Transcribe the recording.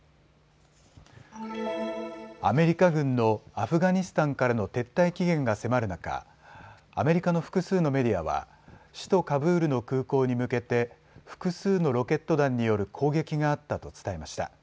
アメリカ軍のアフガニスタンからの撤退期限が迫る中、アメリカの複数のメディアは首都カブールの空港に向けて複数のロケット弾による攻撃があったと伝えました。